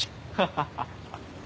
ハハハ。